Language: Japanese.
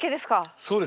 そうですね。